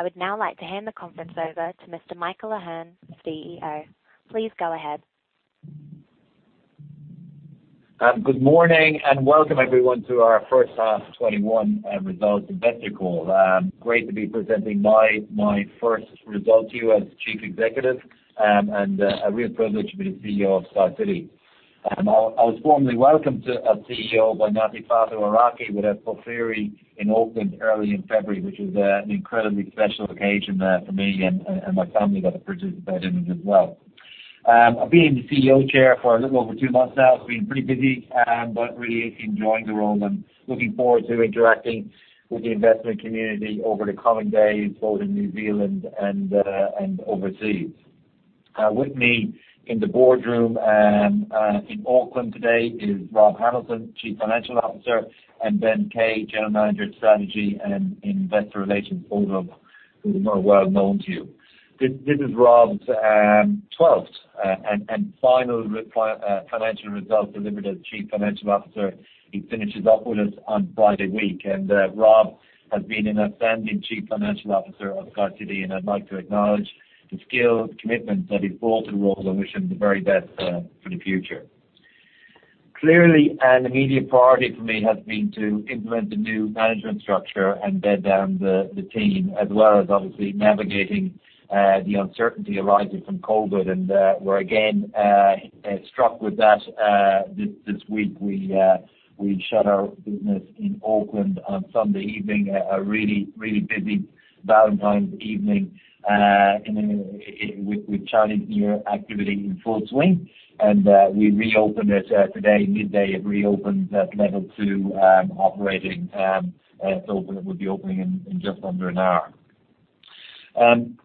I would now like to hand the conference over to Mr. Michael Ahearne, CEO. Please go ahead. Good morning, welcome everyone to our First Half 2021 Results Investor Call. Great to be presenting my first result to you as Chief Executive, and a real privilege to be the CEO of SkyCity. I was formally welcomed as CEO by Ngāti Whātua Ōrākei with a pōwhiri in Auckland early in February, which was an incredibly special occasion for me, and my family got to participate in it as well. I've been in the CEO chair for a little over two months now. It's been pretty busy, really enjoying the role and looking forward to interacting with the investment community over the coming days, both in New Zealand and overseas. With me in the boardroom and in Auckland today is Rob Hamilton, Chief Financial Officer, and Ben Kay, General Manager of Strategy and Investor Relations, both of whom are well known to you. This is Rob's 12th and final financial result delivered as Chief Financial Officer. He finishes up with us on Friday week. Rob has been an outstanding Chief Financial Officer of SkyCity, and I'd like to acknowledge the skills, commitment that he's brought to the role, and I wish him the very best for the future. Clearly, an immediate priority for me has been to implement the new management structure and bed down the team, as well as obviously navigating the uncertainty arising from COVID-19, and we're again struck with that this week. We shut our business in Auckland on Sunday evening, a really busy Valentine's evening, and with Chinese New Year activity in full swing. We reopened it today, midday, it reopened at level 2 operating. It will be opening in just under an hour.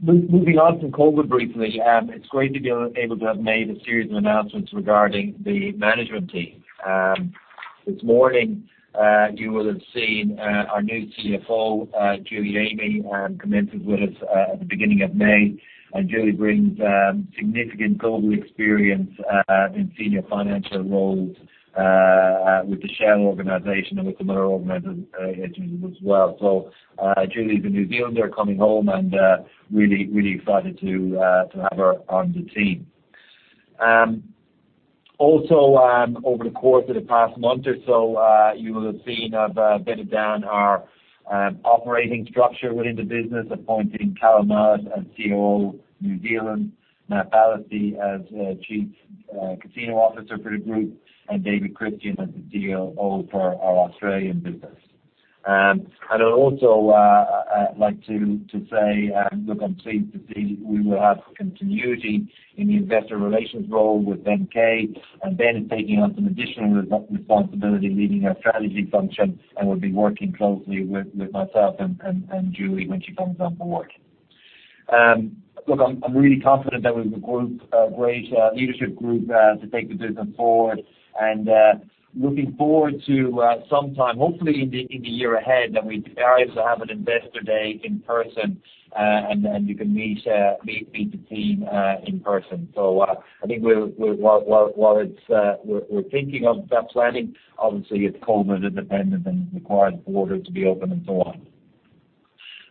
Moving on from COVID briefly, it is great to be able to have made a series of announcements regarding the management team. This morning, you will have seen our new CFO, Julie Amey, commenced with us at the beginning of May. Julie brings significant global experience in senior financial roles, with the Shell organization and with some other organizations as well. Julie is a New Zealander coming home, and really excited to have her on the team. Also, over the course of the past month or so, you will have seen I have bedded down our operating structure within the business, appointing Callum Mallett as COO New Zealand, Matt Ballesty as Chief Casino Officer for the group, and David Christian as the COO for our Australian business. I'd also like to say, look, I'm pleased that we will have continuity in the investor relations role with Ben Kay, and Ben is taking on some additional responsibility leading our strategy function and will be working closely with myself and Julie when she comes on board. Look, I'm really confident that we have a great leadership group to take the business forward and looking forward to some time, hopefully in the year ahead, that we are able to have an investor day in person, and you can meet the team in person. I think while we're thinking of that planning, obviously it's COVID independent and requires the border to be open and so on.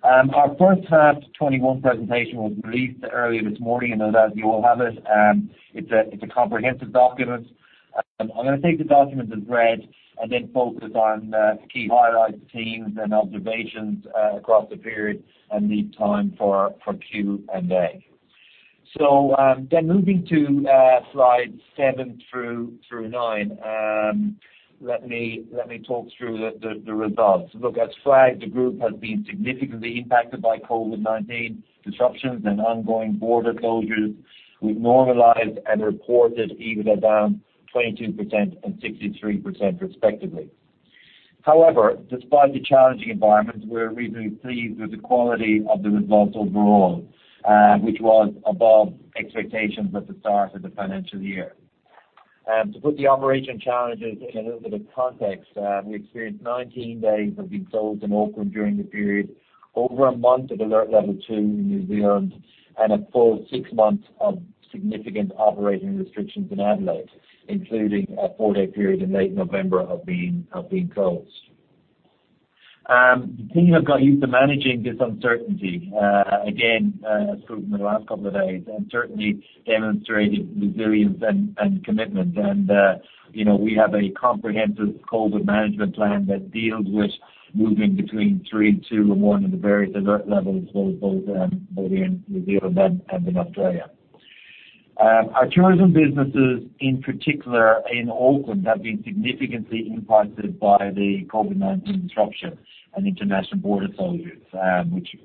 Our first half 2021 presentation was released earlier this morning. I know that you all have it. It's a comprehensive document. I'm going to take the document as read and then focus on the key highlights, themes, and observations across the period, and leave time for Q&A. Moving to slides seven through nine, let me talk through the results. Look, as flagged, the group has been significantly impacted by COVID-19 disruptions and ongoing border closures with normalized and reported EBITDA down 22% and 63% respectively. However, despite the challenging environment, we're reasonably pleased with the quality of the results overall, which was above expectations at the start of the financial year. To put the operation challenges in a little bit of context, we experienced 19 days of being closed in Auckland during the period, over a month of alert level 2 in New Zealand, and a full six months of significant operating restrictions in Adelaide, including a four-day period in late November of being closed. The team have got used to managing this uncertainty, again, as proven in the last couple of days, certainly demonstrated resilience and commitment. We have a comprehensive COVID management plan that deals with moving between three, two, and one of the various alert levels, both in New Zealand and in Australia. Our tourism businesses, in particular in Auckland, have been significantly impacted by the COVID-19 disruption and international border closures, which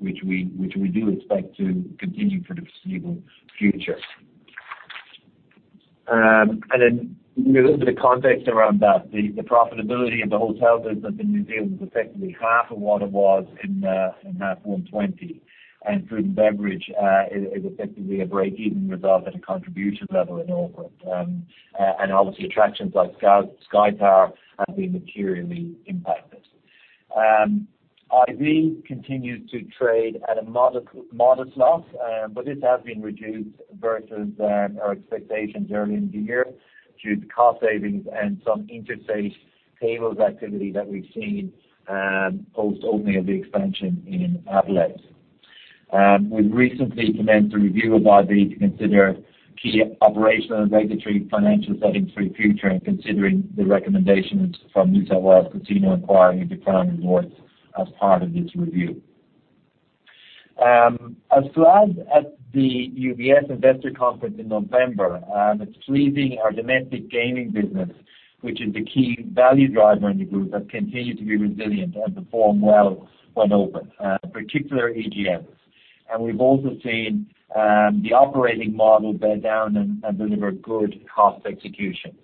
we do expect to continue for the foreseeable future. A little bit of context around that. The profitability of the hotel business in New Zealand is effectively half of what it was in H1 2020. Food and beverage is effectively a break-even result at a contribution level in Auckland. Obviously, attractions like Sky Tower have been materially impacted. IB continued to trade at a modest loss, but this has been reduced versus our expectations early in the year due to cost savings and some interstate tables activity that we've seen post opening of the expansion in Adelaide. We've recently commenced a review of our deed to consider key operational and regulatory financial settings for the future, and considering the recommendations from New South Wales Casino Inquiry and determine awards as part of this review. As flagged at the UBS Investor Conference in November, it's pleasing our domestic gaming business, which is the key value driver in the group, has continued to be resilient and perform well when open, particular EGMs. We've also seen the operating model bear down and deliver good cost execution.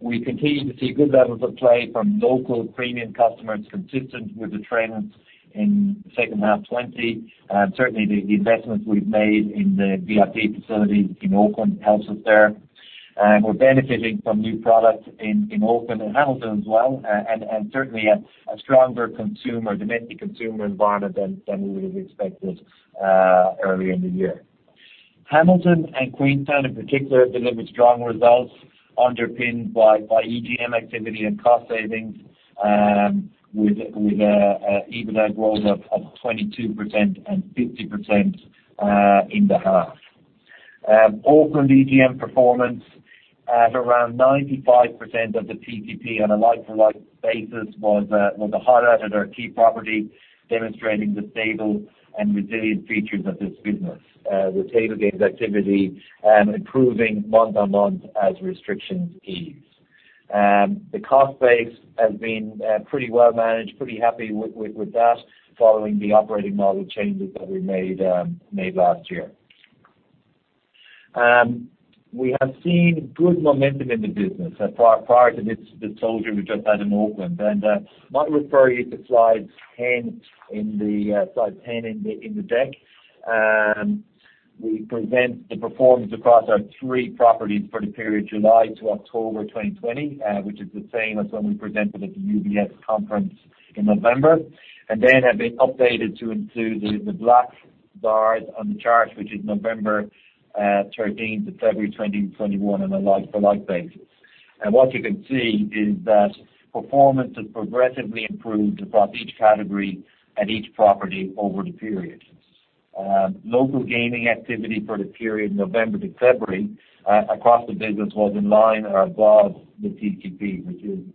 We continue to see good levels of play from local premium customers, consistent with the trend in second half 2020. Certainly, the investments we've made in the VIP facilities in Auckland helps us there. We're benefiting from new product in Auckland and Hamilton as well, and certainly a stronger domestic consumer environment than we would have expected earlier in the year. Hamilton and Queenstown, in particular, delivered strong results underpinned by EGM activity and cost savings, with EBITDA growth of 22% and 50% in the half. Auckland EGM performance at around 95% of the PCP on a like-for-like basis was the highlight at our key property, demonstrating the stable and resilient features of this business, with table games activity improving month-on-month as restrictions ease. The cost base has been pretty well managed, pretty happy with that following the operating model changes that we made last year. We have seen good momentum in the business prior to this closure we just had in Auckland. Might refer you to slide 10 in the deck. We present the performance across our three properties for the period July to October 2020, which is the same as when we presented at the UBS conference in November, then have been updated to include the black bars on the chart, which is November 13th to February 2021 on a like-for-like basis. What you can see is that performance has progressively improved across each category at each property over the period. Local gaming activity for the period November to February across the business was in line or above the TTP,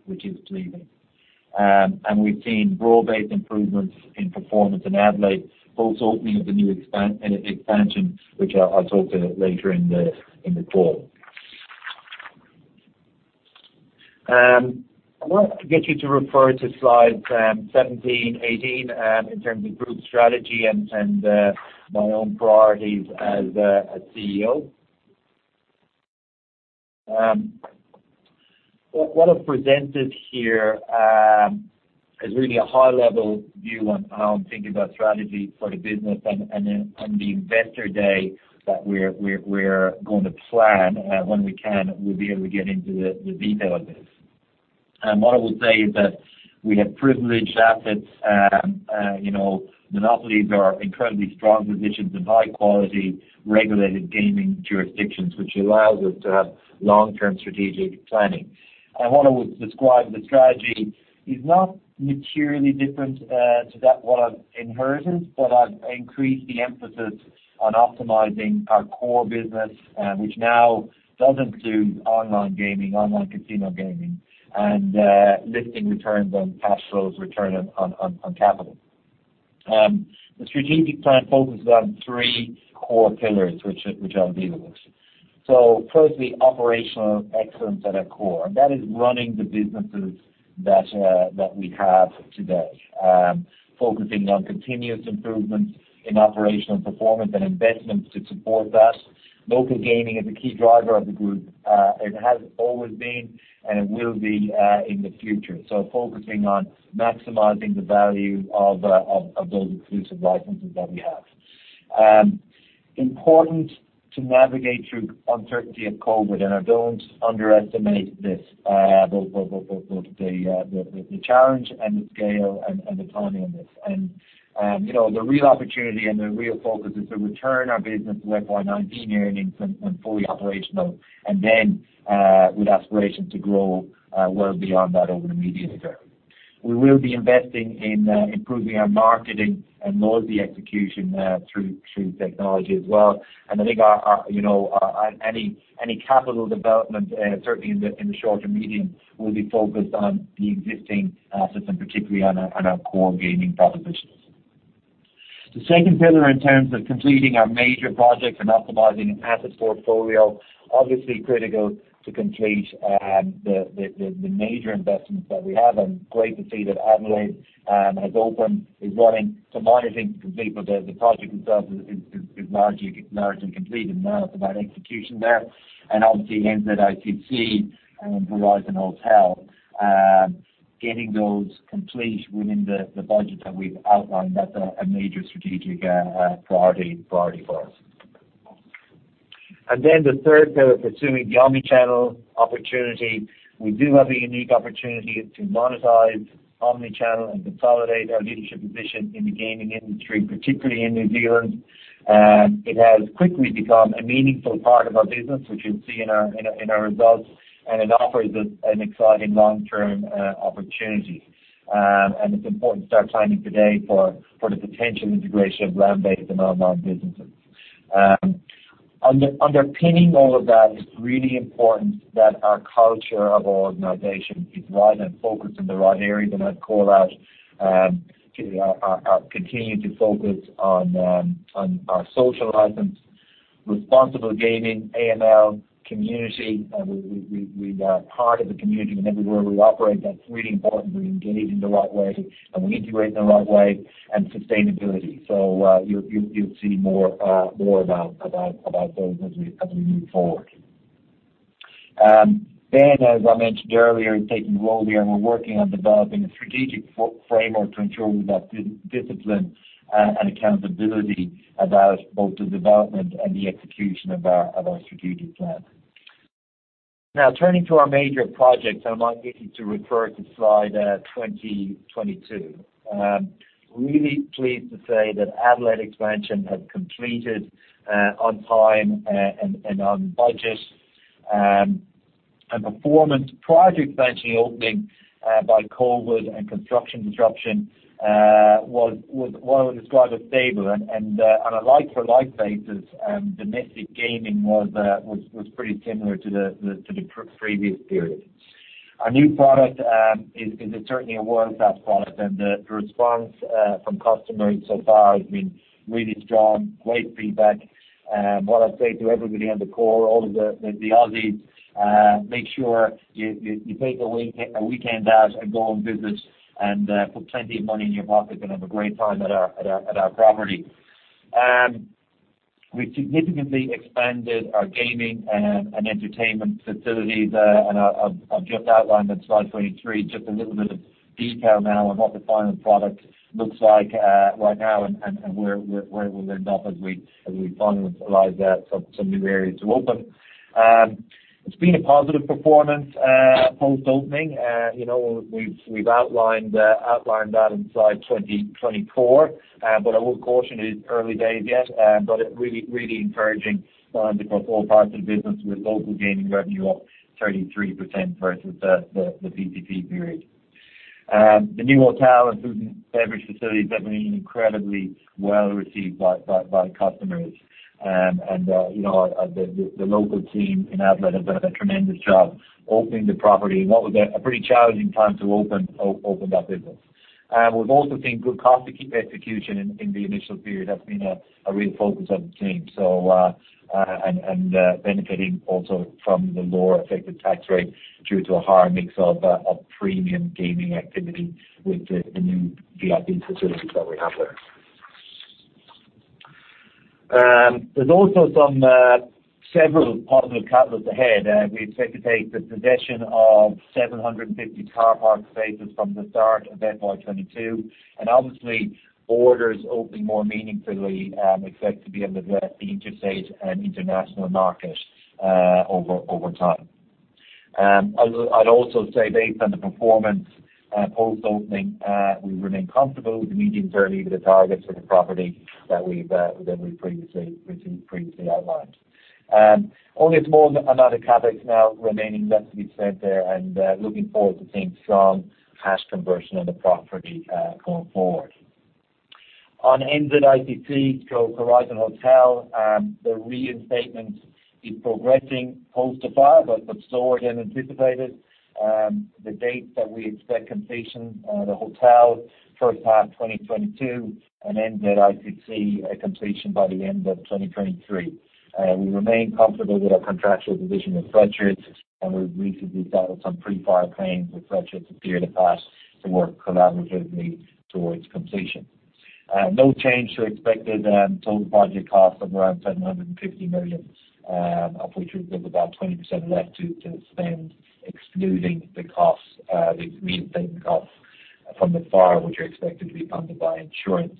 which is pleasing. We've seen broad-based improvements in performance in Adelaide, post opening of the new expansion, which I'll talk to later in the call. I want to get you to refer to slides 17, 18 in terms of group strategy and my own priorities as CEO. What I've presented here is really a high-level view on how I'm thinking about strategy for the business, and on the investor day that we're going to plan, when we can, we'll be able to get into the detail of this. What I will say is that we have privileged assets, monopolies or incredibly strong positions of high-quality regulated gaming jurisdictions, which allows us to have long-term strategic planning. What I would describe the strategy is not materially different to that what I've inherited, but I've increased the emphasis on optimizing our core business, which now does include online gaming, online casino gaming, and lifting returns on cash flows, return on capital. The strategic plan focuses on three core pillars, which I'll deal with. So firstly, operational excellence at our core. That is running the businesses that we have today, focusing on continuous improvement in operational performance and investments to support that. Local gaming is a key driver of the group. It has always been, and it will be in the future. Focusing on maximizing the value of those exclusive licenses that we have. Important to navigate through uncertainty of COVID, and I don't underestimate this, both the challenge and the scale and the timing on this. The real opportunity and the real focus is to return our business to FY19 earnings when fully operational, and then with aspiration to grow well beyond that over the medium term. We will be investing in improving our marketing and loyalty execution through technology as well. I think any capital development, certainly in the shorter medium, will be focused on the existing assets and particularly on our core gaming propositions. The second pillar in terms of completing our major projects and optimizing asset portfolio, obviously critical to complete the major investments that we have, and great to see that Adelaide has opened, is running. [guess Manning] is complete, but the project itself is largely complete and now it is about execution there. Obviously, NZICC and Horizon Hotel, getting those complete within the budget that we have outlined, that is a major strategic priority for us. The third pillar, pursuing the omnichannel opportunity. We do have a unique opportunity to monetize omnichannel and consolidate our leadership position in the gaming industry, particularly in New Zealand. It has quickly become a meaningful part of our business, which you will see in our results, and it offers us an exciting long-term opportunity. It's important to start planning today for the potential integration of land-based and online businesses. Underpinning all of that, it's really important that our culture of our organization is right and focused in the right areas, and I'd call out to our continuing to focus on our social license, responsible gaming, AML, community. We are part of the community in everywhere we operate. That's really important. We engage in the right way and we integrate in the right way, and sustainability. You'll see more about those as we move forward. As I mentioned earlier, taking role there, and we're working on developing a strategic framework to ensure we've got discipline and accountability about both the development and the execution of our strategic plan. Turning to our major projects, and I might get you to refer to slide 22. Really pleased to say that Adelaide expansion has completed on time and on budget. Performance prior to expansion opening by COVID-19 and construction disruption was what I would describe as stable. A like-for-like basis, domestic gaming was pretty similar to the previous period. Our new product is certainly a world-class product, and the response from customers so far has been really strong, great feedback. What I'd say to everybody on the call, all of the Aussies, make sure you take a weekend out and go and visit us and put plenty of money in your pocket and have a great time at our property. We significantly expanded our gaming and entertainment facilities, I've just outlined on slide 23 just a little bit of detail now on what the final product looks like right now and where we'll end up as we finalize some new areas to open. It's been a positive performance post-opening. We've outlined that in slide 24. I would caution it is early days yet, really encouraging signs across all parts of the business with local gaming revenue up 33% versus the pcp period. The new hotel and food and beverage facilities have been incredibly well-received by customers. The local team in Adelaide have done a tremendous job opening the property in what was a pretty challenging time to open that business. We've also seen good cost-to-keep execution in the initial period. That's been a real focus of the team. Benefiting also from the lower effective tax rate due to a higher mix of premium gaming activity with the new VIP facilities that we have there. There's also several positive catalysts ahead. We expect to take the possession of 750 car park spaces from the start of FY 2022, and obviously, borders opening more meaningfully, expect to be able to address the interstate and international market over time. I'd also say based on the performance post-opening, we remain comfortable with the medium-term EBITDA targets for the property that we previously outlined. Only a small amount of CapEx now remaining that's to be spent there, and looking forward to seeing strong cash conversion on the property going forward. On NZICC, so Horizon Hotel, the reinstatement is progressing post the fire, but slower than anticipated. The date that we expect completion, the hotel first half 2022, and NZICC completion by the end of 2023. We remain comfortable with our contractual position with Fletcher. We've recently settled some pre-fire claims with Fletcher to be able to pass to work collaboratively towards completion. No change to expected total project cost of around 750 million, of which we've got about 20% left to spend, excluding the reinstatement cost from the fire, which are expected to be funded by insurance.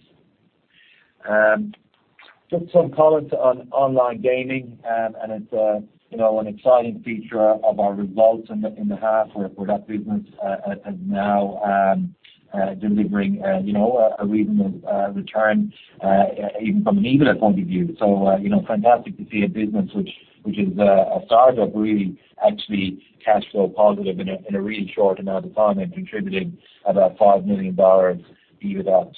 Just some comments on online gaming, it's an exciting feature of our results in the half where that business is now delivering a reasonable return, even from an EBITDA point of view. Fantastic to see a business which is a startup really actually cash flow positive in a really short amount of time and contributing about 5 million dollars of EBITDA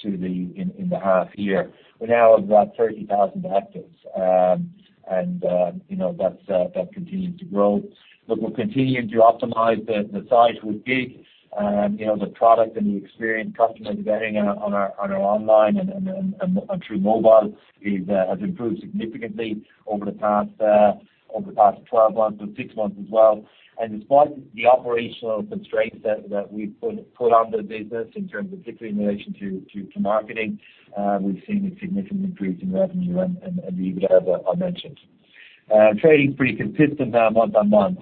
in the half year. We're now at about 30,000 actives, that continues to grow. Look, we're continuing to optimize the site with GiG. The product and the experience customers are getting on our online and through mobile has improved significantly over the past 12 months, but six months as well. Despite the operational constraints that we've put on the business in terms of particularly in relation to marketing, we've seen a significant increase in revenue and the EBITDA that I mentioned. Trading's pretty consistent now month-on-month,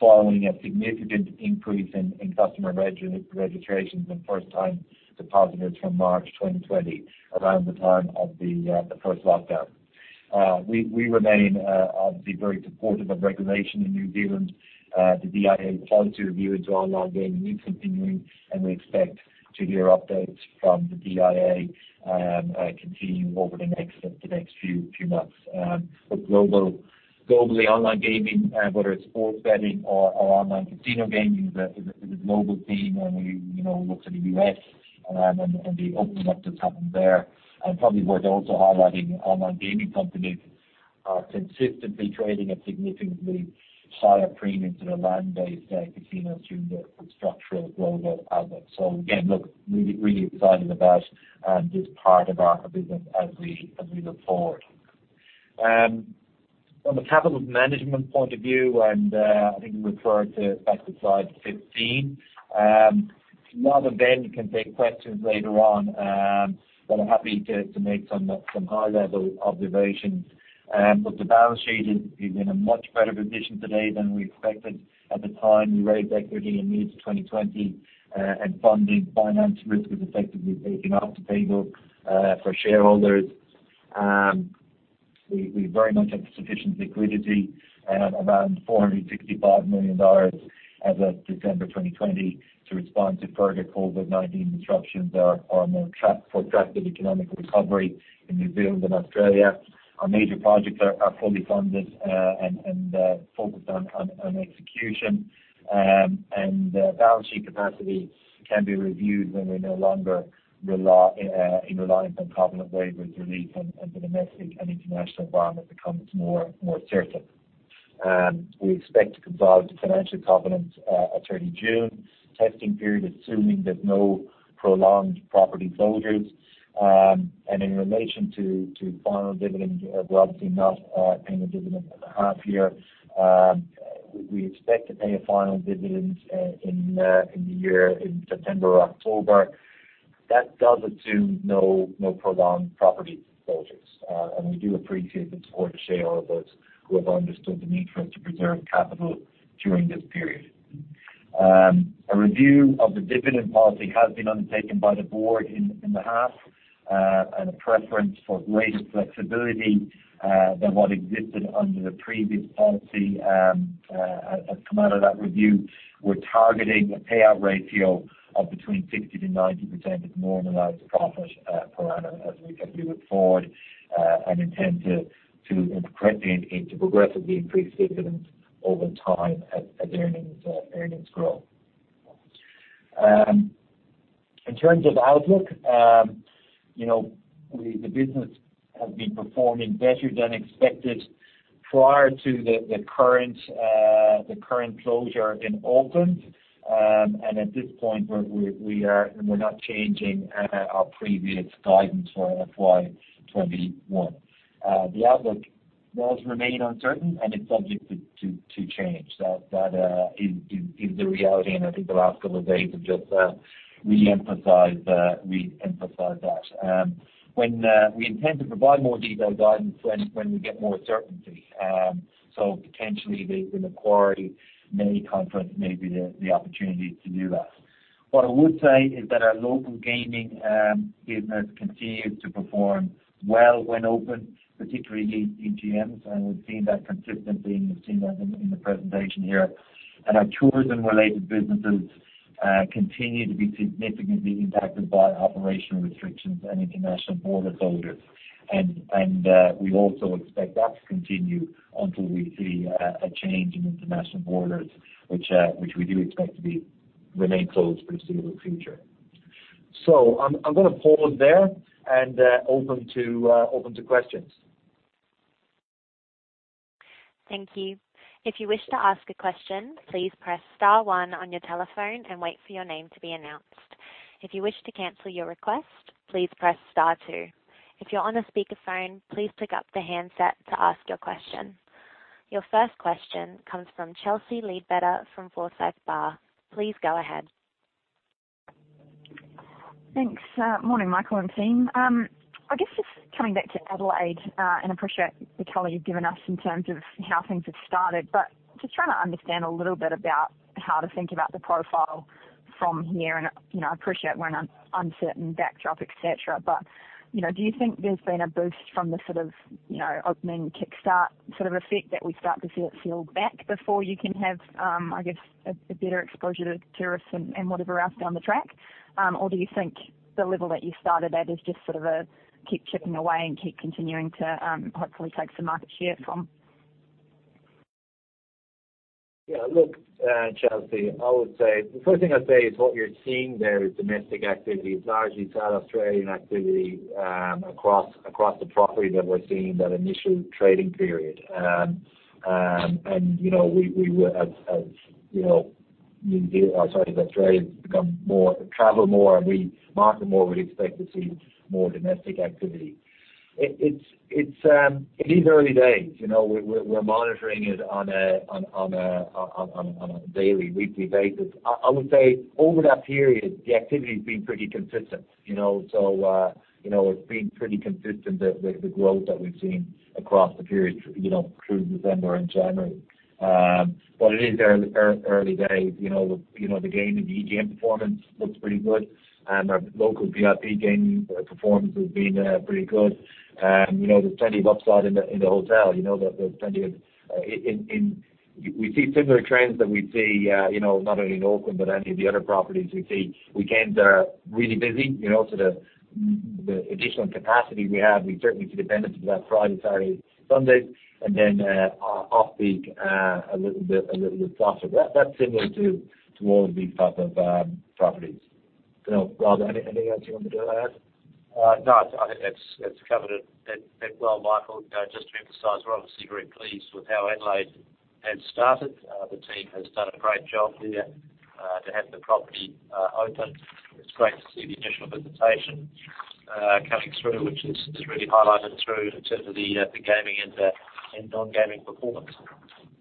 following a significant increase in customer registrations and first-time depositors from March 2020, around the time of the first lockdown. We remain obviously very supportive of regulation in New Zealand. The DIA policy review into online gaming is continuing, and we expect to hear updates from the DIA continuing over the next few months. Globally, online gaming, whether it's sports betting or online casino gaming, is a global theme when we look to the U.S. and the opening up that's happened there. Probably worth also highlighting online gaming companies are consistently trading at significantly higher premiums than the land-based casinos due to the structural global outlook. Again, look, really excited about this part of our business as we look forward. From a capital management point of view, I think we refer to back to slide 15. Rather than can take questions later on, I'm happy to make some high-level observations. The balance sheet is in a much better position today than we expected at the time we raised equity in mid 2020, and funding finance risk is effectively taken off the table for shareholders. We very much have sufficient liquidity at around 465 million dollars as of December 2020 to respond to further COVID-19 disruptions are on the track for a gradual economic recovery in New Zealand and Australia. Our major projects are fully funded and focused on execution. Balance sheet capacity can be reviewed when we're no longer in reliance on covenant waivers relief and the domestic and international environment becomes more certain. We expect to comply with financial covenants at 30 June testing period, assuming there's no prolonged property closures. In relation to final dividends, we're obviously not paying a dividend for the half year. We expect to pay a final dividend in the year in September or October. That does assume no prolonged property closures. We do appreciate the support of shareholders who have understood the need for us to preserve capital during this period. A review of the dividend policy has been undertaken by the board in the half, and a preference for greater flexibility than what existed under the previous policy has come out of that review. We're targeting a payout ratio of between 60%-90% of normalized profit per annum as we look forward, and intend to progressively increase dividends over time as earnings grow. In terms of outlook, the business has been performing better than expected prior to the current closure in Auckland. At this point, we're not changing our previous guidance for FY 2021. The outlook does remain uncertain, and it's subject to change. That is the reality, and I think the last couple of days have just re-emphasized that. We intend to provide more detailed guidance when we get more certainty. Potentially, the Macquarie May Conference may be the opportunity to do that. What I would say is that our local gaming business continues to perform well when open, particularly in EGMs, and we've seen that consistently, and you've seen that in the presentation here. Our tourism-related businesses continue to be significantly impacted by operational restrictions and international border closures. We also expect that to continue until we see a change in international borders, which we do expect to remain closed for the foreseeable future. I'm going to pause there and open to questions. Thank you. Your first question comes from Chelsea Leadbetter from Forsyth Barr. Please go ahead. Thanks. Morning, Michael and team. I guess just coming back to Adelaide, and I appreciate the color you've given us in terms of how things have started, but just trying to understand a little bit about how to think about the profile from here, and I appreciate we're in an uncertain backdrop, etc., but do you think there's been a boost from the sort of opening kickstart sort of effect that we start to see it settle back before you can have, I guess, a better exposure to tourists and whatever else down the track? Or do you think the level that you started at is just sort of a keep chipping away and keep continuing to hopefully take some market share from? Yeah. Look, Chelsea, the first thing I'd say is what you're seeing there is domestic activity. It's largely South Australian activity across the property that we're seeing that initial trading period. As Australia's become more, travel more and we market more, we'd expect to see more domestic activity. It is early days. We're monitoring it on a daily, weekly basis. I would say over that period, the activity's been pretty consistent. It's been pretty consistent, the growth that we've seen across the period through November and January. It is early days. The game and the EGM performance looks pretty good, and our local VIP gaming performance has been pretty good. There's plenty of upside in the hotel. We see similar trends that we see not only in Auckland, but any of the other properties. We see weekends are really busy. The additional capacity we have, we certainly see the benefits of that Friday, Saturday, Sundays, and then off peak, a little bit softer. That is similar to all of these type of properties. Rob, anything else you want to do add? I think that's covered it that well, Michael. Just to emphasize, we're obviously very pleased with how Adelaide has started. The team has done a great job there, to have the property open. It's great to see the initial visitation coming through, which is really highlighted through in terms of the gaming and non-gaming performance.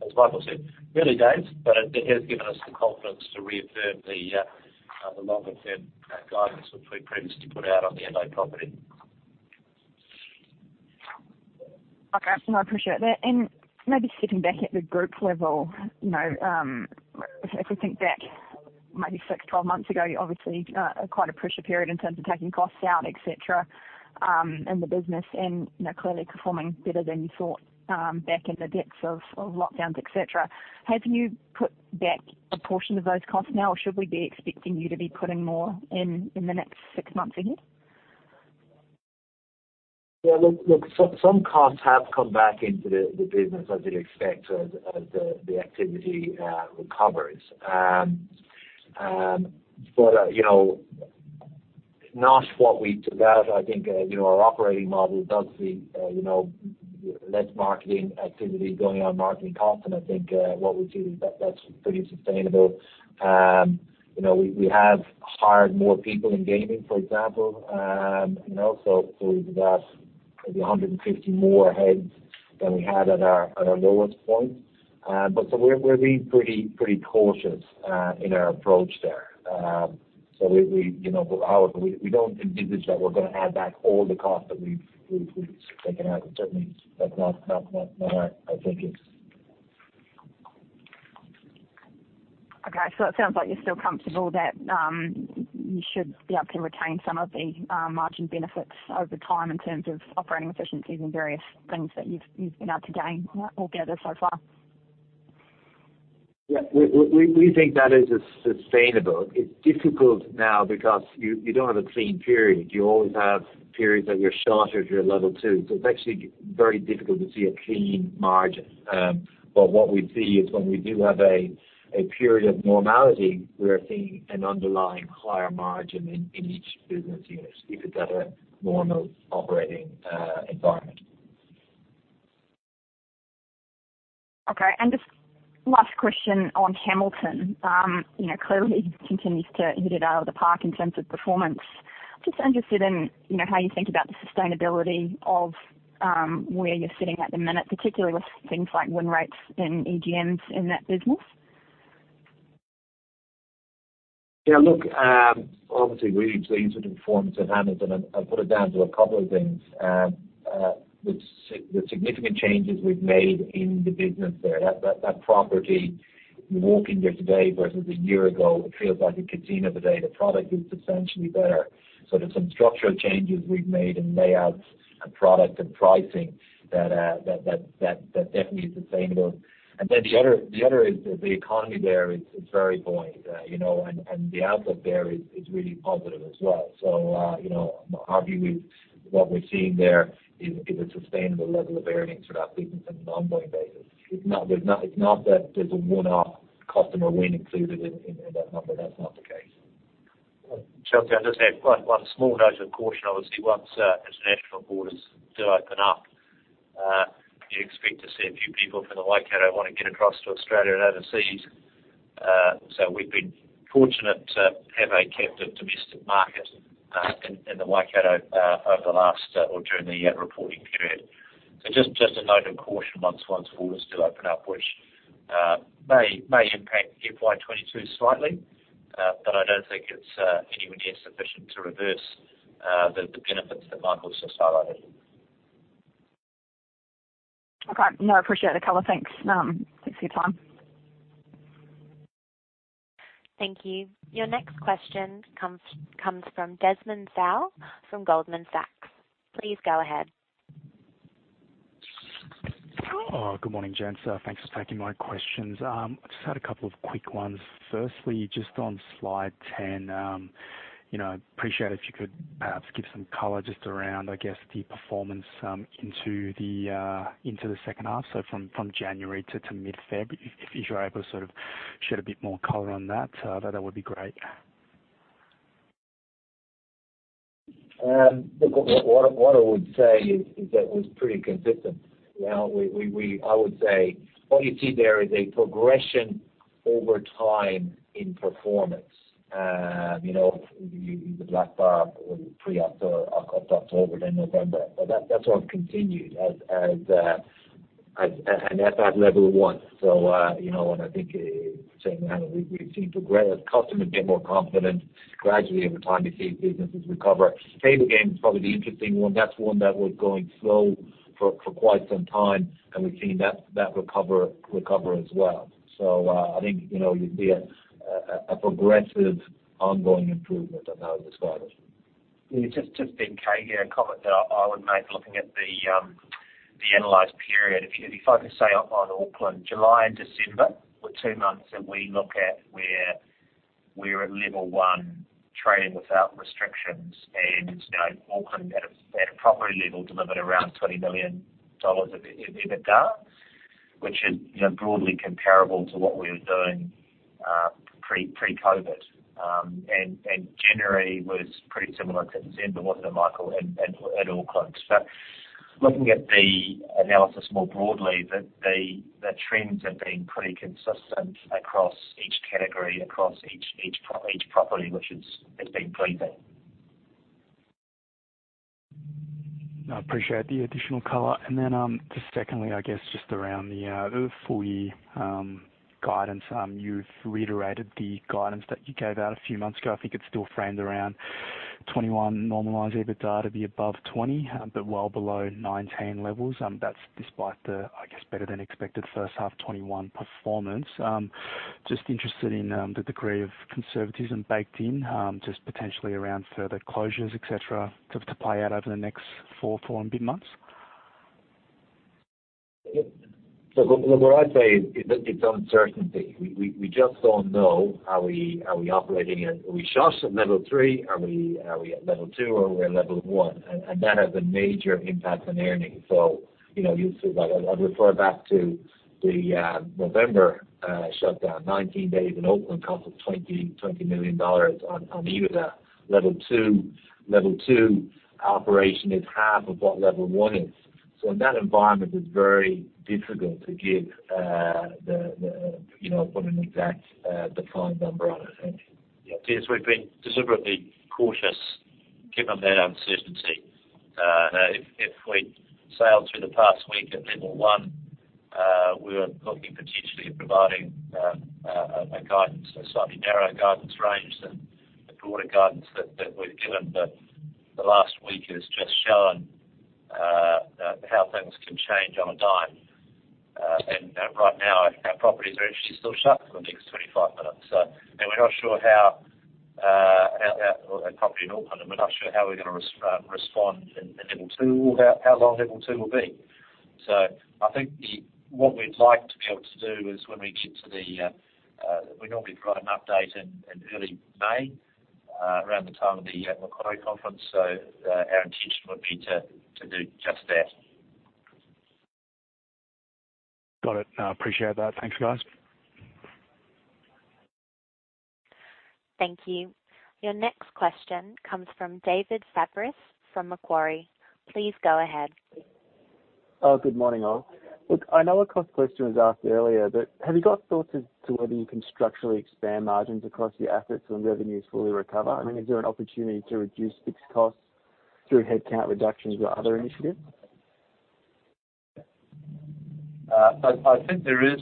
As Michael said, early days, it has given us the confidence to reaffirm the longer-term guidance which we previously put out on the Adelaide property. Okay. No, I appreciate that. Maybe sitting back at the group level, if we think back maybe six, 12 months ago, obviously quite a pressure period in terms of taking costs out, et cetera, in the business and clearly performing better than you thought back in the depths of lockdowns, et cetera. Have you put back a portion of those costs now, or should we be expecting you to be putting more in the next six months ahead? Look, some costs have come back into the business as you'd expect as the activity recovers. Not what we took out. I think our operating model does see less marketing activity going on, marketing costs, and I think what we see is that's pretty sustainable. We have hired more people in gaming, for example. We've about maybe 150 more heads than we had at our lowest point. We're being pretty cautious in our approach there. We don't envisage that we're going to add back all the costs that we've taken out. Certainly, that's not what I think is. Okay, it sounds like you're still comfortable that you should be able to retain some of the margin benefits over time in terms of operating efficiencies and various things that you've been able to gain altogether so far. Yeah. We think that is sustainable. It's difficult now because you don't have a clean period. You always have periods where you're shut or if you're level 2. It's actually very difficult to see a clean margin. What we see is when we do have a period of normality, we are seeing an underlying higher margin in each business unit if it's at a normal operating environment. Okay. Just last question on Hamilton. Clearly continues to hit it out of the park in terms of performance. Just interested in how you think about the sustainability of where you're sitting at the minute, particularly with things like win rates in EGMs in that business. Yeah, look, obviously we're pleased with the performance at Hamilton. I put it down to a couple of things. The significant changes we've made in the business there. That property, you walk in there today versus a year ago, it feels like a casino today. The product is substantially better. There's some structural changes we've made in layouts and product and pricing that definitely is sustainable. The other is the economy there is very buoyant. The outlook there is really positive as well. Our view is what we're seeing there is a sustainable level of earnings for that business on an ongoing basis. It's not that there's a one-off customer win included in that number. That's not the case. Chelsea, I just have one small note of caution. Obviously, once international borders do open up, you'd expect to see a few people from the Waikato wanting to get across to Australia and overseas. We've been fortunate to have a captive domestic market in the Waikato over the last or during the reporting period. Just a note of caution once borders do open up, which may impact FY22 slightly, but I don't think it's anywhere near sufficient to reverse the benefits that Michael's just highlighted. Okay. No, I appreciate the color. Thanks. Thanks for your time. Thank you. Your next question comes from Desmond Tsao from Goldman Sachs. Please go ahead. Good morning, gents. Thanks for taking my questions. I just had a couple of quick ones. Firstly, just on slide 10. Appreciate if you could perhaps give some color just around, I guess, the performance into the second half, so from January to mid-February. If you're able to sort of shed a bit more color on that would be great. Look, what I would say is that it was pretty consistent. I would say what you see there is a progression over time in performance. The black bar pre up to October, then November. That's all continued and at that level 1. I think saying that we seem to progress. Customers get more confident gradually over time you see businesses recover. Table games is probably the interesting one. That's one that was going slow for quite some time, and we've seen that recover as well. I think you see a progressive ongoing improvement. Yeah, just Ben Kay here. A comment that I would make looking at the analyzed period. If you focus, say, on Auckland, July and December were two months that we look at where we were at level 1, trading without restrictions, and Auckland at a property level delivered around 20 million dollars of EBITDA, which is broadly comparable to what we were doing pre-COVID. January was pretty similar to December, wasn't it, Michael, at Auckland? Looking at the analysis more broadly, the trends have been pretty consistent across each category, across each property, which has been pleasing. I appreciate the additional color. Just secondly, I guess just around the full year guidance. You've reiterated the guidance that you gave out a few months ago. I think it's still framed around FY 2021 normalized EBITDA to be above FY 2020, but well below FY 2019 levels. That's despite the, I guess, better-than-expected first half FY 2021 performance. Just interested in the degree of conservatism baked in, just potentially around further closures, et cetera, to play out over the next four and a bit months. Look, what I'd say is it's uncertainty. We just don't know. Are we shut at level 3? Are we at level 2 or we're at level 1? That has a major impact on earnings. You'll see that I'd refer back to the November shutdown. 19 days in Auckland cost us 20 million dollars on EBITDA. Level 2 operation is half of what Level 1 is. In that environment, it's very difficult to give an exact defined number, I'd have think. Yes, we've been deliberately cautious given that uncertainty. If we sailed through the past week at level 1, we were looking potentially at providing a guidance, a slightly narrow guidance range than the broader guidance that we've given. The last week has just shown how things can change on a dime. Right now, our properties are actually still shut for the next 25 minutes. We're not sure how our property in Auckland, and we're not sure how we're going to respond in level 2, or how long level 2 will be. I think what we'd like to be able to do is when we get to the, we normally provide an update in early May, around the time of the Macquarie Conference. Our intention would be to do just that. Got it. I appreciate that. Thanks, guys. Thank you. Your next question comes from David Fabris from Macquarie. Please go ahead. Good morning, all. I know a cost question was asked earlier, have you got thoughts as to whether you can structurally expand margins across your assets when revenues fully recover? I mean, is there an opportunity to reduce fixed costs through headcount reductions or other initiatives? I think there is,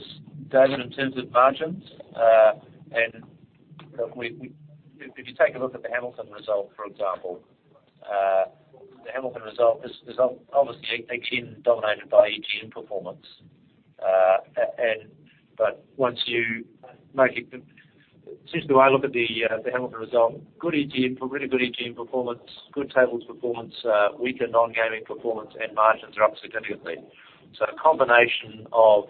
David, in terms of margins. If you take a look at the Hamilton result, for example. The Hamilton result is obviously again dominated by EGM performance. Since the way I look at the Hamilton result, really good EGM performance, good tables performance, weaker non-gaming performance, and margins are up significantly. A combination of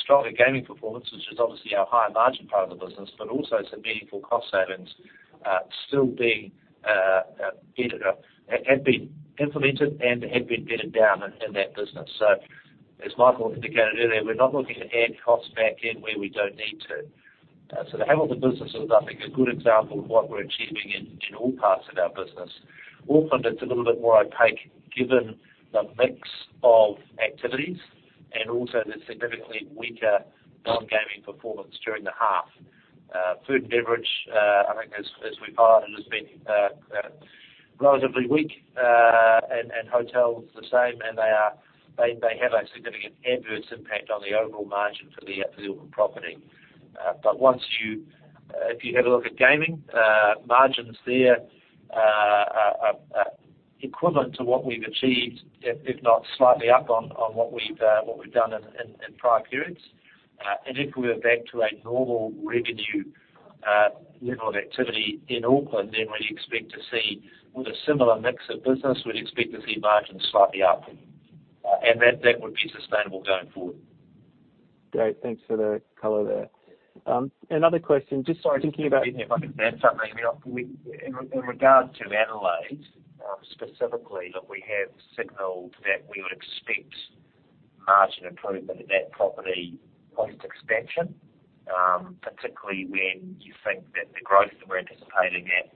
stronger gaming performance, which is obviously our higher margin part of the business, but also some meaningful cost savings have been implemented and have been bedded down in that business. As Michael indicated earlier, we're not looking to add costs back in where we don't need to. The Hamilton business is, I think, a good example of what we're achieving in general parts of our business. Auckland, it's a little bit more opaque given the mix of activities and also the significantly weaker non-gaming performance during the half. Food and beverage, I think as we've highlighted, has been relatively weak, and hotels the same, and they have a significant adverse impact on the overall margin for the Auckland property. If you have a look at gaming, margins there are equivalent to what we've achieved, if not slightly up on what we've done in prior periods. If we were back to a normal revenue level of activity in Auckland, then with a similar mix of business, we'd expect to see margins slightly up. That would be sustainable going forward. Great. Thanks for the color there. Another question. Sorry, if I could add something. In regards to Adelaide specifically, look, we have signaled that we would expect margin improvement at that property post-expansion, particularly when you think that the growth that we're anticipating at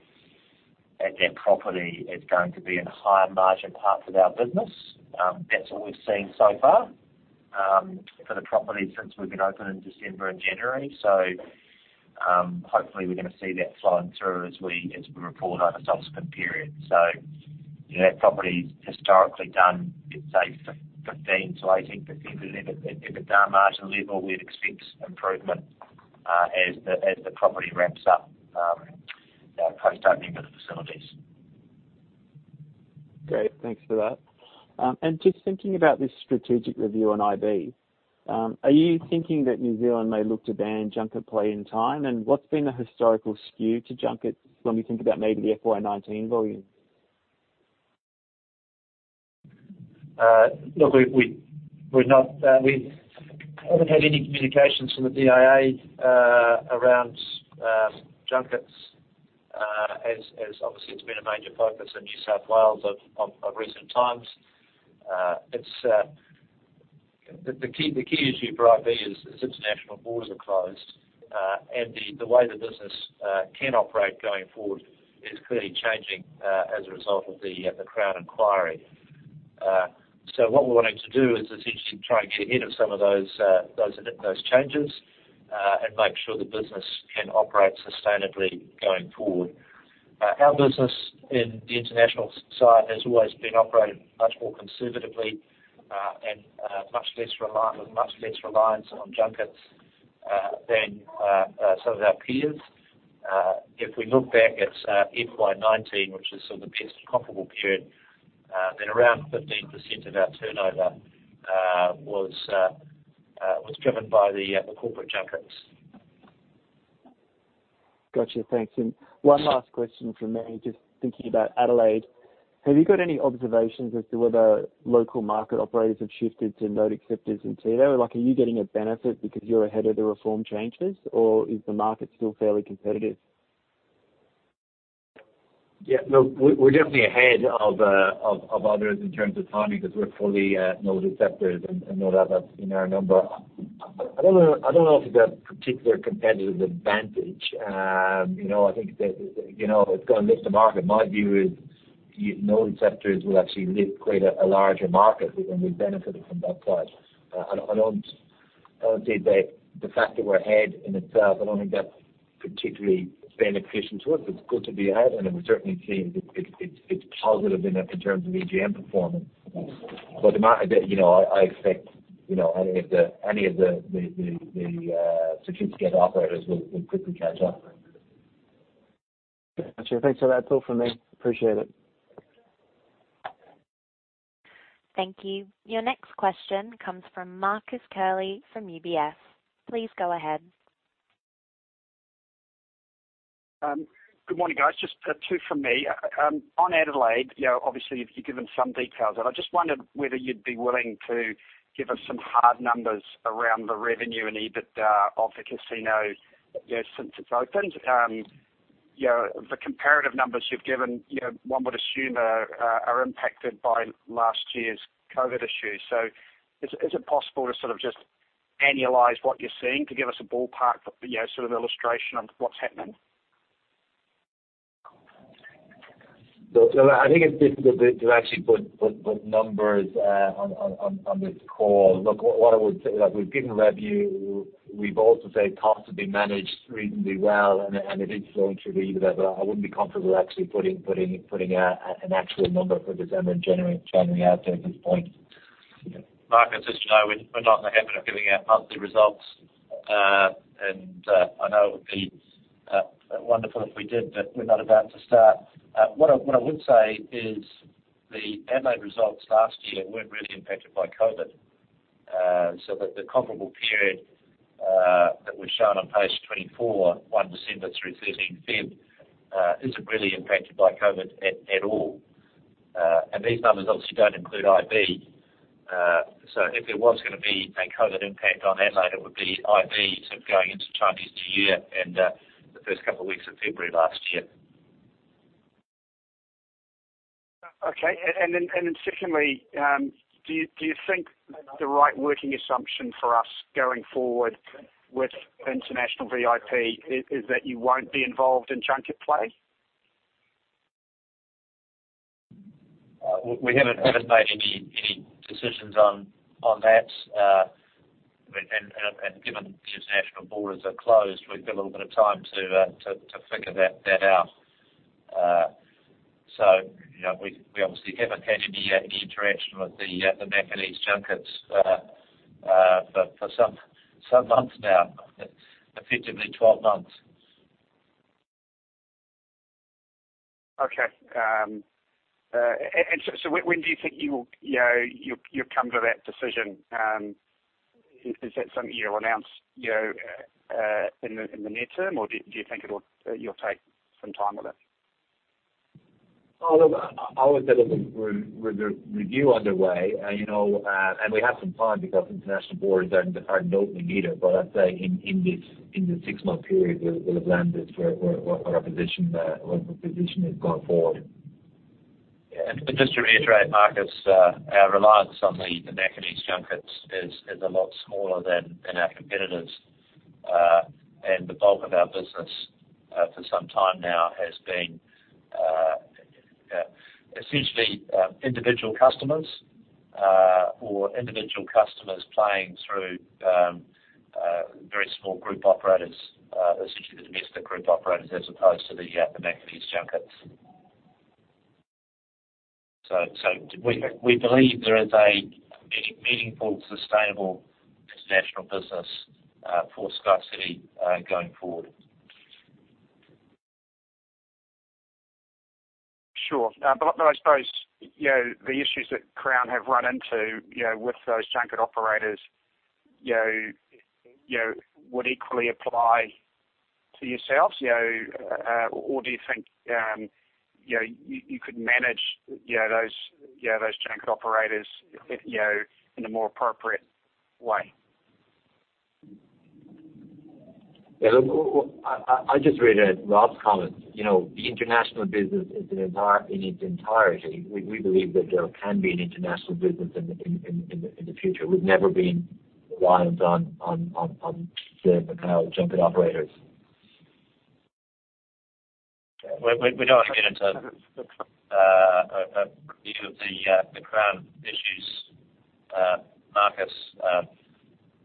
that property is going to be in higher margin parts of our business. That's what we've seen so far for the property since we've been open in December and January. Hopefully we're going to see that flowing through as we report over subsequent periods. That property historically done, say, 15%-18% EBITDA margin level. We'd expect improvement as the property ramps up post opening of the facilities. Great. Thanks for that. Just thinking about this strategic review on IB, are you thinking that New Zealand may look to ban junket play in time? What's been the historical skew to junkets when we think about maybe the FY19 volumes? Look, we haven't had any communications from the DIA around junkets. Obviously, it's been a major focus in New South Wales of recent times. The key issue for IB is international borders are closed, and the way the business can operate going forward is clearly changing as a result of the Crown Inquiry. What we're wanting to do is essentially trying to get ahead of some of those changes, and make sure the business can operate sustainably going forward. Our business in the international side has always been operated much more conservatively, and with much less reliance on junkets than some of our peers. If we look back at FY19, which is sort of the best comparable period, then around 15% of our turnover was driven by the corporate junkets. Got you. Thanks. One last question from me, just thinking about Adelaide, have you got any observations as to whether local market operators have shifted to note acceptors into there? Are you getting a benefit because you're ahead of the reform changes, or is the market still fairly competitive? We're definitely ahead of others in terms of timing because we're fully note acceptors, and no doubt that's in our number. I don't know if it's a particular competitive advantage. I think it's going to lift the market. My view is note acceptors will actually lift quite a larger market, and we benefited from that side. I don't think that the fact that we're ahead in itself, I don't think that's particularly beneficial to us. It's good to be ahead, and we certainly see it's positive in terms of EGM performance. I expect any of the substitute operators will quickly catch up. Got you. Thanks for that. That's all from me. Appreciate it. Thank you. Your next question comes from Marcus Curley from UBS. Please go ahead. Good morning, guys. Just two from me. On Adelaide, obviously, you've given some details. I just wondered whether you'd be willing to give us some hard numbers around the revenue and EBIT of the casino since it's opened. The comparative numbers you've given, one would assume, are impacted by last year's COVID issues. Is it possible to sort of just annualize what you're seeing to give us a ballpark illustration on what's happening? Look, I think it's difficult to actually put numbers on this call. Look, what I would say, we've given a review. We've also said costs have been managed reasonably well, and it is going through the roof. I wouldn't be comfortable actually putting an actual number for December and January out there at this point. Marcus, just to know, we're not in the habit of giving out monthly results. I know it would be wonderful if we did, but we're not about to start. What I would say is the Adelaide results last year weren't really impacted by COVID. The comparable period that was shown on page 24, 1 December through 13 February, isn't really impacted by COVID at all. These numbers obviously don't include IB. If there was going to be a COVID impact on Adelaide, it would be IB sort of going into Chinese New Year and the first couple of weeks of February last year. Okay. Secondly, do you think the right working assumption for us going forward with International VIP is that you won't be involved in junket play? We haven't made any decisions on that. Given the international borders are closed, we've got a little bit of time to figure that out. We obviously haven't had any interaction with the Macanese junkets for some months now, effectively 12 months. Okay. When do you think you'll come to that decision? Is that something you'll announce in the near term, or do you think you'll take some time with it? Look, I would say that with the review underway, and we have some time because international borders are notably muted. I'd say in this six-month period, we'll have landed where our position is going forward. Yeah. Just to reiterate, Marcus, our reliance on the Macanese junkets is a lot smaller than our competitors. The bulk of our business, for some time now, has been essentially individual customers or individual customers playing through very small group operators, essentially the domestic group operators, as opposed to the Macanese junkets. We believe there is a meaningful, sustainable International Business for SkyCity going forward. Sure. I suppose the issues that Crown have run into with those junket operators would equally apply to yourselves? Do you think you could manage those junket operators in a more appropriate way? Yeah, look, I just read Rob's comments. The International Business in its entirety, we believe that there can be an International Business in the future. We've never been reliant on the Macau junket operators. We don't want to get into a view of the Crown issues, Marcus.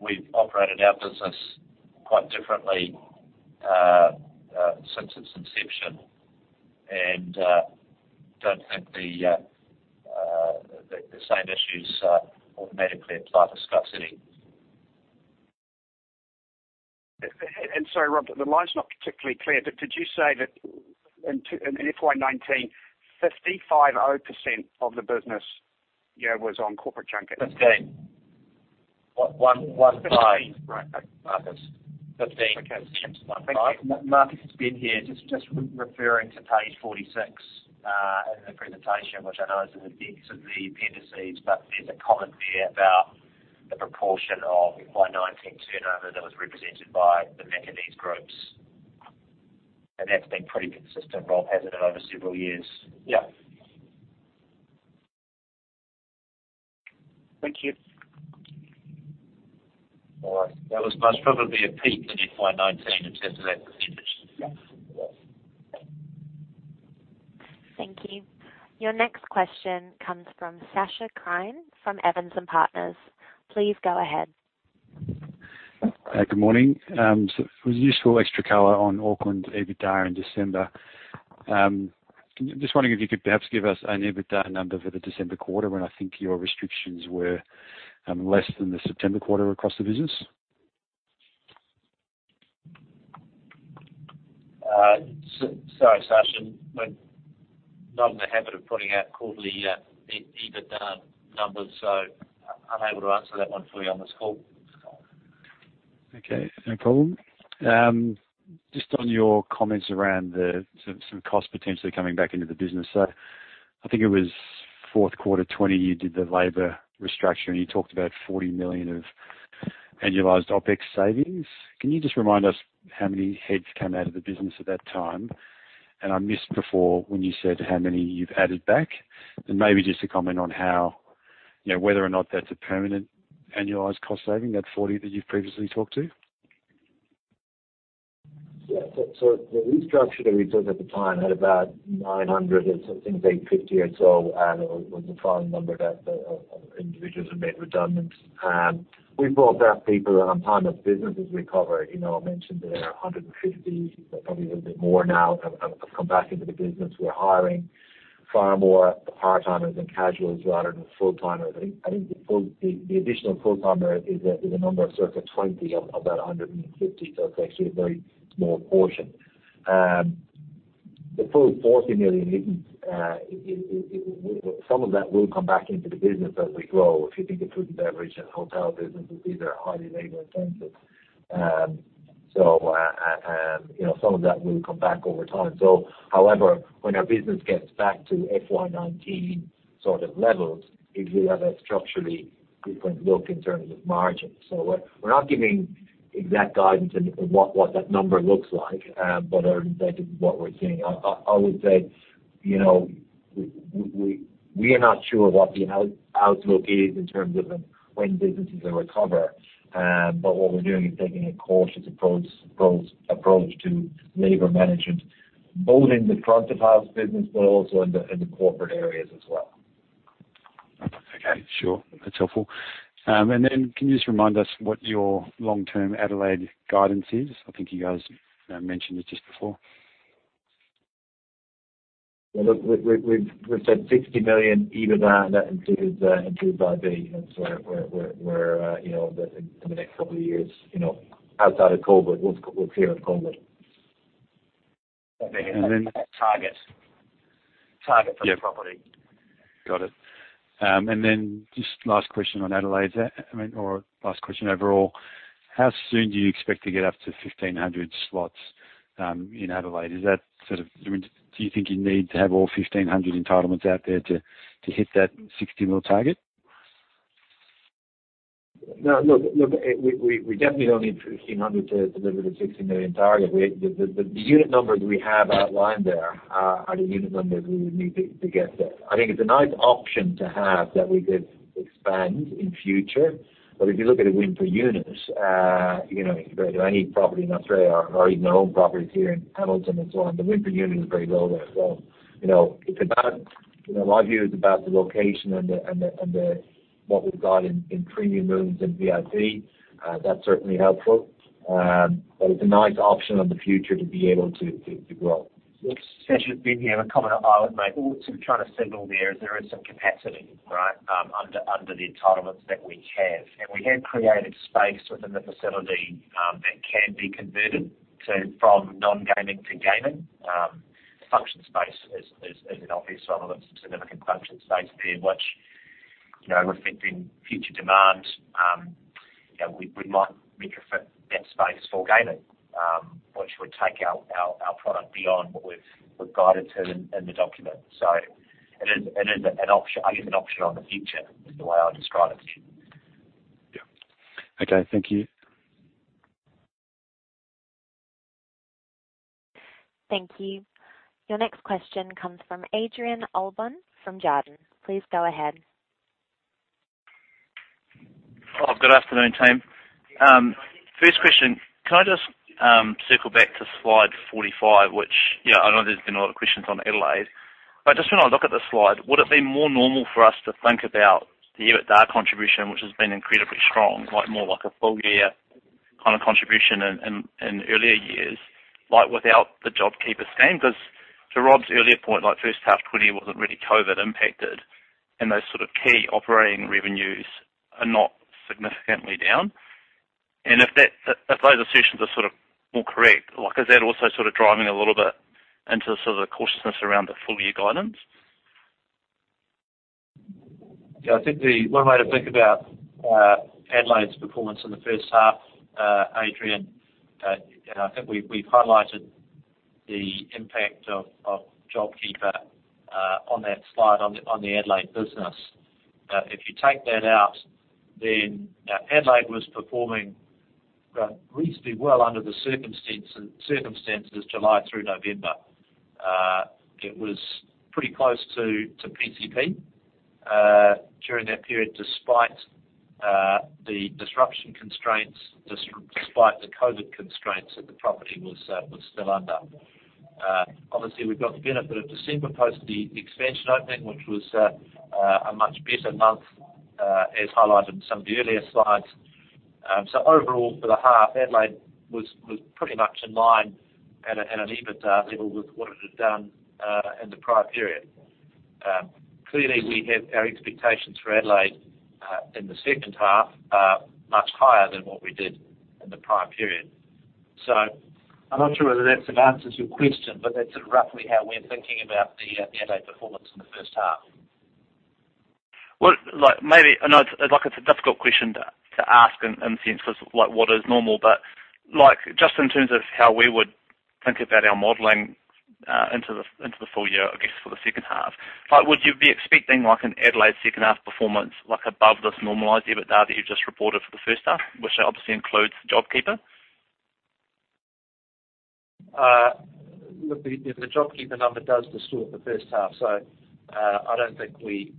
We've operated our business quite differently since its inception and don't think the same issues automatically apply to SkyCity. Sorry, Rob, the line's not particularly clear, but did you say that in FY 2019, 55.0% of the business was on corporate junket? 15. Right. Marcus. Fifteen. Okay. Thank you. Marcus, it's Ben here. Just referring to page 46 in the presentation, which I know is in the depths of the appendices, but there's a comment there about the proportion of FY19 turnover that was represented by the Macanese groups. That's been pretty consistent, Rob, hasn't it, over several years? Yeah. Thank you. All right. That was most probably a peak in FY2019 in terms of that percentage. Yes. Thank you. Your next question comes from Sacha Krien from Evans and Partners. Please go ahead. Good morning. It was useful extra color on Auckland EBITDA in December. Just wondering if you could perhaps give us an EBITDA number for the December quarter when I think your restrictions were less than the September quarter across the business? Sorry, Sacha. We're not in the habit of putting out quarterly EBITDA numbers, so unable to answer that one for you on this call. Okay, no problem. On your comments around some cost potentially coming back into the business. I think it was fourth quarter 2020 you did the labor restructure, and you talked about 40 million of annualized OPEX savings. Can you just remind us how many heads came out of the business at that time? I missed before when you said how many you've added back, and maybe just a comment on whether or not that's a permanent annualized cost saving, that 40 million that you've previously talked to. The restructure that we did at the time had about 900 and something, 850 or so was the final number of individuals who were made redundant. We've brought back people on time as businesses recover. I mentioned there 150, probably a little bit more now have come back into the business. We're hiring far more part-timers and casuals rather than full-timers. I think the additional full-timer is a number of circa 20 of that 150. It's actually a very small portion. The full 40 million, some of that will come back into the business as we grow. If you think of food and beverage and hotel businesses, these are highly labor-intensive. Some of that will come back over time. However, when our business gets back to FY2019 sort of levels, it will have a structurally different look in terms of margins. We're not giving exact guidance in what that number looks like. That is what we're seeing. I would say, we are not sure what the outlook is in terms of when businesses will recover. What we're doing is taking a cautious approach to labor management, both in the front of house business, but also in the corporate areas as well. Okay, sure. That’s helpful. Can you just remind us what your long-term Adelaide guidance is? I think you guys mentioned it just before. Yeah, look, we've said 60 million EBITDA, and that includes IB. In the next couple of years, outside of COVID, we're clear of COVID. That target for the property. Got it. Just last question on Adelaide. Last question overall, how soon do you expect to get up to 1,500 slots in Adelaide? Do you think you need to have all 1,500 entitlements out there to hit that 60 million target? No, look, we definitely don't need 1,500 to deliver the 60 million target. The unit numbers we have outlined there are the unit numbers we would need to get there. I think it's a nice option to have that we could expand in future. If you look at a win per unit, any property in Australia or even our own properties here in Hamilton and so on, the win per unit is very low there as well. My view is about the location and what we've got in premium rooms and VIP. That's certainly helpful. It's a nice option on the future to be able to grow. Sacha, it's Ben here. A comment I would make, all I'm trying to signal there is there is some capacity, right? Under the entitlements that we have. We have created space within the facility that can be converted from non-gaming to gaming. Function space is an obvious one, and that's a significant function space there which reflecting future demand, we might retrofit that space for gaming, which would take our product beyond what we've guided to in the document. It is an option. I use an option on the future in the way I describe it. Yeah. Okay. Thank you. Thank you. Your next question comes from Adrian Allbon from Jarden. Please go ahead. Oh, good afternoon, team. First question, can I just circle back to slide 45, which I know there's been a lot of questions on Adelaide, but just when I look at the slide, would it be more normal for us to think about the EBITDA contribution, which has been incredibly strong, more like a full-year contribution in earlier years without the JobKeeper Payment? Because, to Rob's earlier point, first half 2020 wasn't really COVID-19 impacted, and those sort of key operating revenues are not significantly down. If those assumptions are more correct, is that also driving a little bit into the cautiousness around the full-year guidance? I think the one way to think about Adelaide's performance in the first half, Adrian, I think we've highlighted the impact of JobKeeper on that slide on the Adelaide business. If you take that out, Adelaide was performing reasonably well under the circumstances July through November. It was pretty close to PCP during that period, despite the disruption constraints, despite the COVID constraints that the property was still under. We've got the benefit of December post the expansion opening, which was a much better month, as highlighted in some of the earlier slides. Overall, for the half, Adelaide was pretty much in line at an EBITDA level with what it had done in the prior period. We have our expectations for Adelaide in the second half are much higher than what we did in the prior period. I'm not sure whether that answers your question, but that's roughly how we're thinking about the Adelaide performance in the first half. Well, I know it's a difficult question to ask in the sense of what is normal, but just in terms of how we would think about our modeling into the full year, I guess, for the second half. Would you be expecting an Adelaide second half performance above this normalized EBITDA that you've just reported for the first half, which obviously includes JobKeeper? Look, the JobKeeper number does distort the first half, so I don't think we'd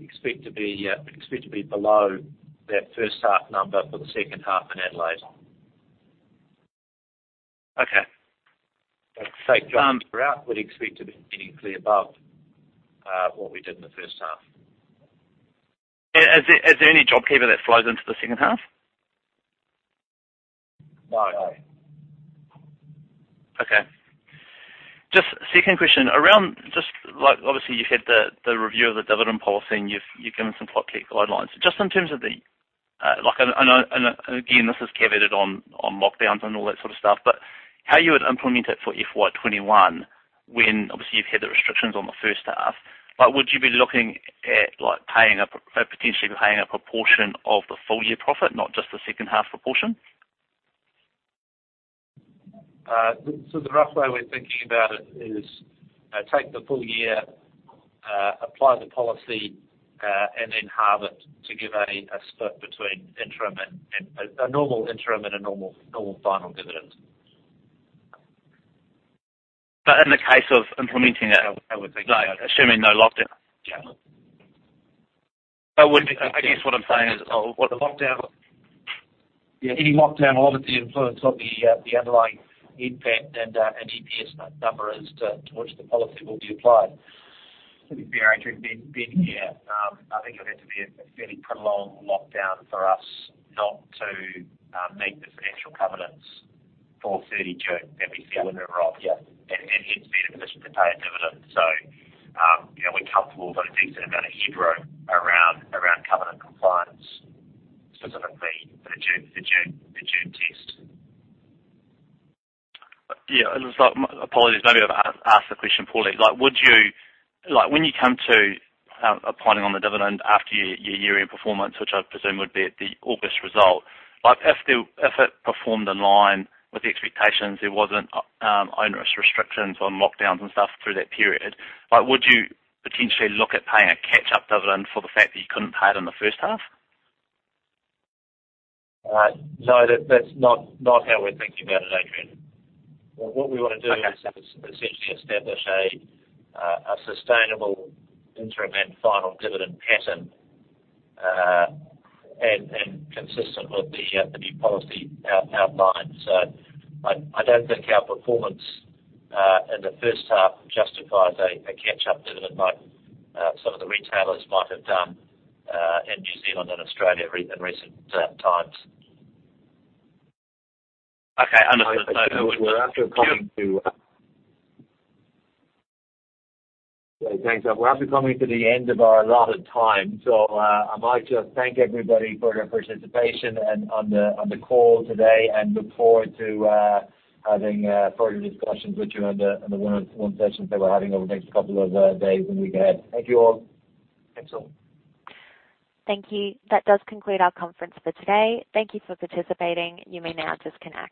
expect to be below that first half number for the second half in Adelaide. Okay. Take JobKeeper out, we'd expect to be meaningfully above what we did in the first half. Is there any JobKeeper that flows into the second half? No. Okay. Just second question, obviously you've had the review of the dividend policy, and you've given some guidelines. Just in terms of again, this is caveated on lockdowns and all that sort of stuff, but how you would implement it for FY 2021, when obviously you've had the restrictions on the first half. Would you be looking at potentially paying a proportion of the full-year profit, not just the second half proportion? The rough way we’re thinking about it is take the full year, apply the policy, and then halve it to give a split between a normal interim and a normal final dividend. In the case of implementing that. How we think Assuming no lockdown. Yeah. I guess what I'm saying is with the lockdown. Yeah, any lockdown will obviously influence what the underlying impact and EPS number is to which the policy will be applied. To be very clear, I think it would have to be a fairly prolonged lockdown for us not to meet the financial covenants for 30 June that we see with Rob. Yeah. Hence, be in a position to pay a dividend. We’re comfortable that a decent amount of headroom around covenant compliance, specifically for the June test. Yeah. Apologies, maybe I've asked the question poorly. When you come to applying on the dividend after your year-end performance, which I presume would be at the August result, if it performed in line with the expectations, there wasn't onerous restrictions on lockdowns and stuff through that period, would you potentially look at paying a catch-up dividend for the fact that you couldn't pay it in the first half? No, that's not how we're thinking about it, Adrian. Okay is essentially establish a sustainable interim and final dividend pattern, and consistent with the new policy outline. I don't think our performance in the first half justifies a catch-up dividend like some of the retailers might have done in New Zealand and Australia in recent times. Okay. Understood. Yeah, thanks. We're actually coming to the end of our allotted time. I might just thank everybody for their participation and on the call today and look forward to having further discussions with you on the one-on-one sessions that we're having over the next couple of days. Thank you all. Thanks all. Thank you. That does conclude our conference for today. Thank you for participating. You may now disconnect.